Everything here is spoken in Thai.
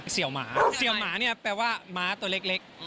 เสี่ยวหมาเนี่ยแปลว่าหมาตัวเล็ก